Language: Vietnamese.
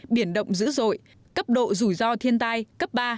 biển động dữ dội cấp độ rủi ro thiên tai cấp ba